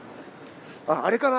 あっあれかな？